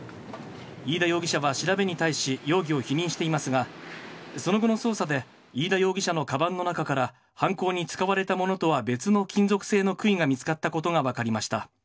飯田容疑者は調べに対し容疑を否認していますが、その後の捜査で、飯田容疑者のかばんの中から犯行に使われたものとは別の金属製のくいが見つかったことが分かりました。